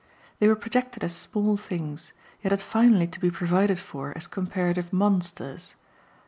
They were projected as small things, yet had finally to be provided for as comparative monsters.